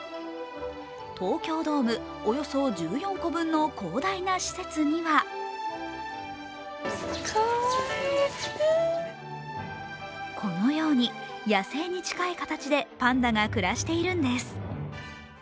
東京ドームおよそ１４個分の広大な施設にはこのように野生に近い形でパンダが暮らしているんです。